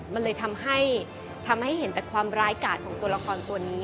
มันเลยทำให้เห็นแต่ความร้ายกาดของตัวละครตัวนี้